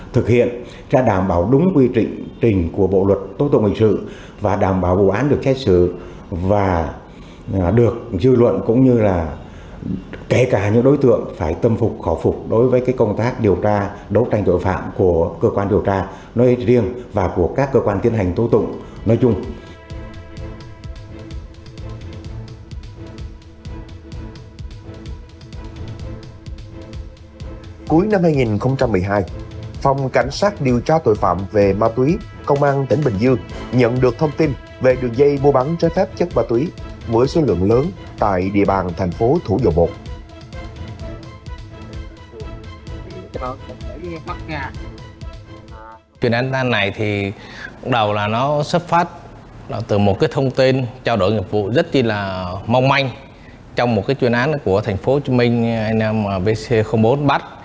thì đầu là nó xuất phát từ một cái thông tin trao đổi nghiệp vụ rất là mong manh trong một cái chuyên án của thành phố hồ chí minh vc bốn bắc